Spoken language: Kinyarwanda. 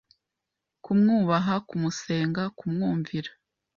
kumwubaha kumusenga kumwumvira